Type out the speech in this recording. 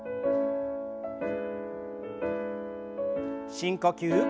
深呼吸。